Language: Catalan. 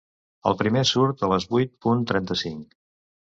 El primer surt a les vuit punt trenta-cinc.